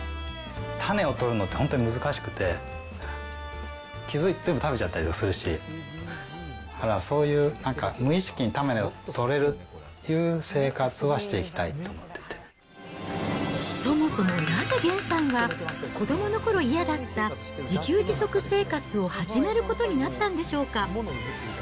種を取るのって本当に難しくて、気付いたら全部食べちゃったりとかするし、そういう無意識に種を取れるっていう生活はしていきたいと思ってそもそもなぜ、げんさんは、子どものころ嫌だった自給自足生活を始めることになったんでしょうか。